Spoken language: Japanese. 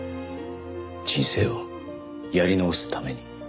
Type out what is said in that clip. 人生をやり直すために。